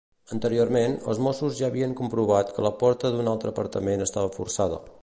Anteriorment, els Mossos ja havien comprovat que la porta d'un altre apartament estava forçada.